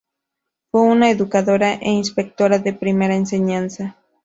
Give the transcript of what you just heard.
Fue una educadora e inspectora de Primera Enseñanza.